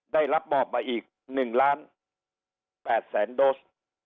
ได้รับมอบมาอีก๑๘๐๐๐๐๐โดส